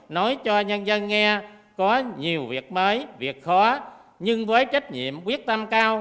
nói cho nhân dân nghe có nhiều việc mới việc khó nhưng với trách nhiệm quyết tâm cao